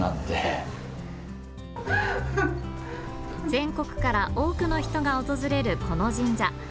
全国から多くの人が訪れるこの神社。